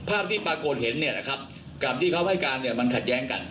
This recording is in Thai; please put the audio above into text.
ภาพที่ปรากฏเห็นความที่เขาให้การมันขาดแจ้งกัน